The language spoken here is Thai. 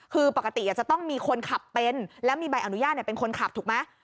คือปกติจะต้องมีคนขับเป็นแล้วมีใบอนุญาตเป็นคนขับถูกไหม